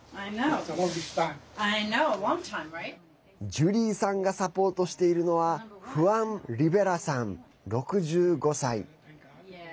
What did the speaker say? ジュリーさんがサポートしているのはフアン・リヴェラさん、６５歳。